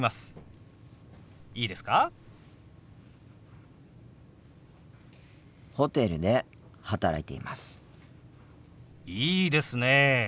いいですねえ。